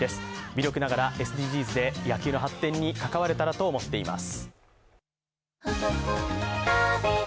微力ながらＳＤＧｓで野球の発展に関われたらと思っています。